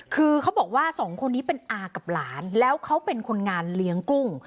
คือเขาบอกว่าสองคนนี้เป็นอากับหลานแล้วเขาเป็นคนงานเลี้ยงกุ้ง